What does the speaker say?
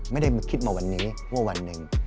ไม่ได้คิดมาวันนี้ว่าวันหนึ่ง